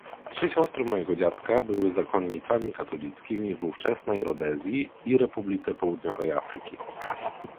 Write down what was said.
Trzy siostry mojego dziadka były zakonnicami katolickimi w ówczesnej Rodezji i Republice Południowej Afryki